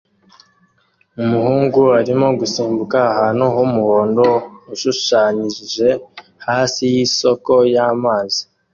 Umuhungu arimo gusimbuka ahantu h'umuhondo ushushanyije hasi yisoko y'amazi